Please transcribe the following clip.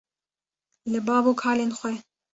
li bav û kalên xwe